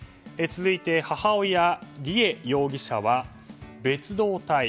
続いて母親・梨恵容疑者は別動隊。